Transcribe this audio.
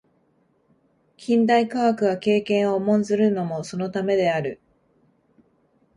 近代科学が経験を重んずるのもそのためである。